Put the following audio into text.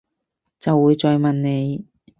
就會再問你